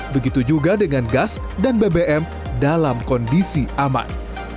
begitu juga dengan gas dan bbm dalam kondisi aman